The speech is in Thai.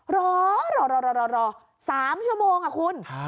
รอรอรอรอ๓ชั่วโมงคุณ